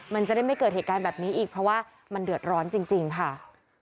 มันจะได้ไม่เกิดเหตุการณ์แบบนี้อีกเพราะว่ามันเดือดร้อนจริงค่ะ